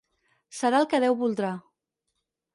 Serà el que Déu voldrà.